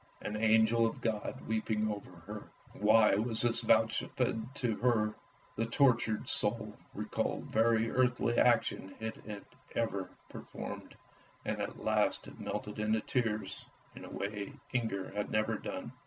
An angel of God weeping over her ! Why was this vouchsafed to her ? The tortured soul recalled every earthly action it had ever per formed, and at last it melted into tears, in a way Inger had never done.